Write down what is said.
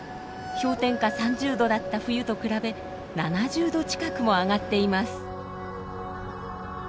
氷点下３０度だった冬と比べ７０度近くも上がっています。